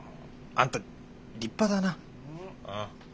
あんた立派だな。